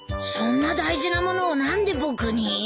そんな大事なものを何で僕に？